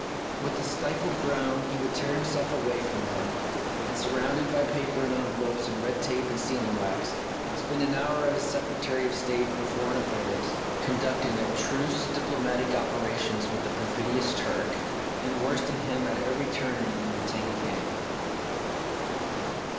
With a stifled groan he would tear himself away from that, and, surrounded by paper and envelopes and red tape and sealing wax, spend an hour as Secre tary of State for Foreign Affairs, conducting abstruse 282 The Tragedy of Oliver Bowman diplomatic operations with the perfidious Turk, and worsting him at every turn in the tangled game.